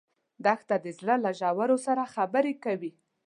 دښته د زړه له ژورو سره خبرې کوي.